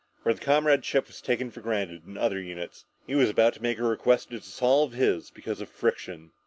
Where the comradeship was taken for granted in other units, he was about to make a request to dissolve his because of friction.